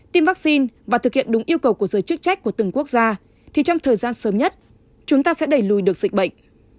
tiêm vaccine và thực hiện đúng yêu cầu của giới chức trách của từng quốc gia thì trong thời gian sớm nhất chúng ta sẽ đẩy lùi được dịch bệnh